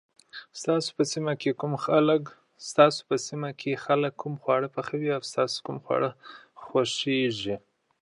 ستاسي په سيمه کي خلګ کوم خواړه پخوي او ستاسو کوم خواړه خوښيږي